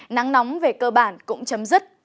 nắng nóng về cơ bản cũng chấm dứt